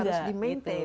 nah harus di maintain